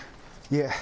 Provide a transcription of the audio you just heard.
いえ。